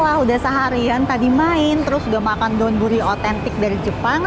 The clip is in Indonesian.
lah udah seharian tadi main terus udah makan don gurih authentic dari jepang